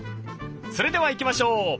それではいきましょう。